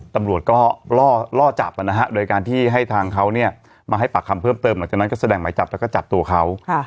ตำรวจก็ล่อจับนะฮะโดยการที่ให้ทางเขาเนี่ยมาให้ปากคำเพิ่มเติมหลังจากนั้นก็แสดงหมายจับแล้วก็จับตัวเขา